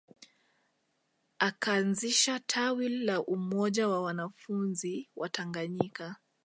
Akaanzisha tawi la Umoja wa wanafunzi Watanganyika